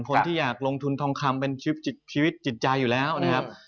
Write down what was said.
คนที่อยากลงทุนทองคำเป็นชีวิตจิตใจอยู่แล้วนะครับ